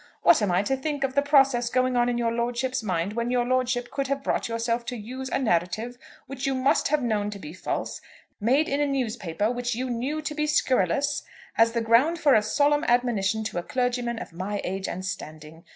What am I to think of the process going on in your lordship's mind when your lordship could have brought yourself to use a narrative which you must have known to be false, made in a newspaper which you knew to be scurrilous, as the ground for a solemn admonition to a clergyman of my age and standing?